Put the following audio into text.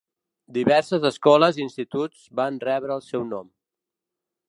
Diverses escoles i instituts van rebre el seu nom.